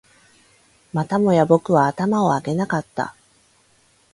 またもや僕は頭を上げなかった